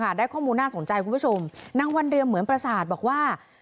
ได้ข้อมูลน่าสนใจคุณผู้ชมนางวันเรียมเหมือนประสาทบอกว่า